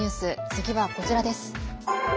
次はこちらです。